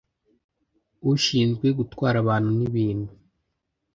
ushinzwe gutwara abantu n ibintu